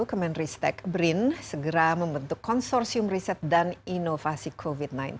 kemenristek brin segera membentuk konsorsium riset dan inovasi covid sembilan belas